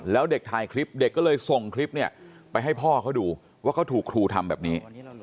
แล้วเด็กถ่ายคลิปเด็กก็เลยส่งคลิปเนี่ยไปให้พ่อเขาดูว่าเขาถูกครูทำแบบนี้